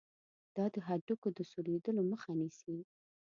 دا د هډوکو د سولیدلو مخه نیسي.